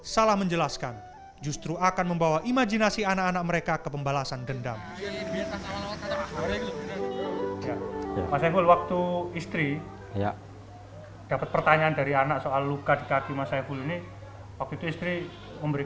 salah menjelaskan justru akan membawa imajinasi anak anak mereka ke pembalasan dendam